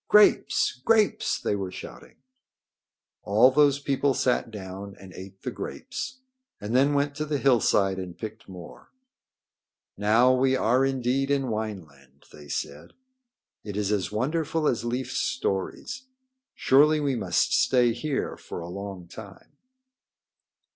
"Grapes! Grapes!" they were shouting. All those people sat down and ate the grapes and then went to the hillside and picked more. "Now we are indeed in Wineland," they said. "It is as wonderful as Leif's stories. Surely we must stay here for a long time."